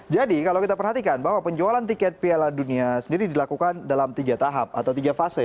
jadi kalau kita perhatikan bahwa penjualan tiket piala dunia sendiri dilakukan dalam tiga tahap atau tiga fase